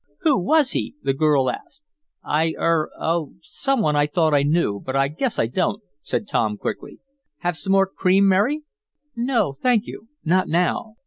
"Who was he?" the girl asked. "I er oh, some one I thought I knew, but I guess I don't," said Tom, quickly. "Have some more cream, Mary?" "No, thank you. Not now."